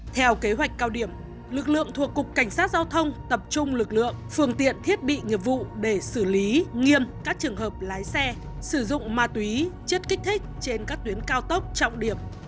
theo kế hoạch cao điểm lực lượng thuộc cục cảnh sát giao thông tập trung lực lượng phương tiện thiết bị nghiệp vụ để xử lý nghiêm các trường hợp lái xe sử dụng ma túy chất kích thích trên các tuyến cao tốc trọng điểm